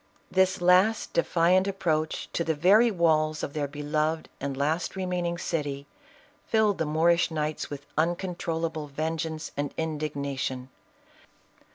This last defiant approach to the very walls of their U'l ived and last remaining city, filled the Moorish knights with uncontrollable vengeance and indigna tion.